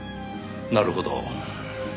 なるほど。